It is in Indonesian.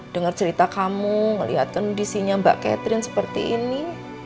dengar cerita kamu ngeliatkan disinya mbak catherine seperti ini